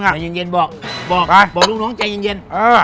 ใจเย็นบอกบอกลุงใจเย็น